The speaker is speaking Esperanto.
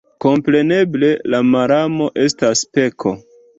Kompreneble, la malamo estas peko.